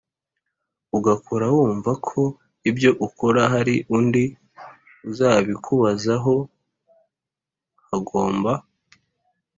ugakora wumva ko ibyo ukora hari undi uzabikubazaho Hagomba